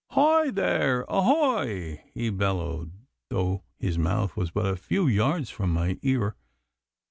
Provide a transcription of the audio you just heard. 'Hoy there! Ahoy!' he bellowed, though his mouth was but a few yards from my ear.